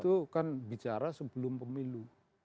itu kan bicara sebelum pemilu